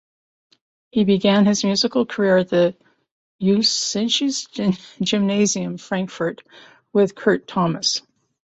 He began his musical career at the Musisches Gymnasium Frankfurt with Kurt Thomas.